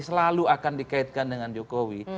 selalu akan dikaitkan dengan jokowi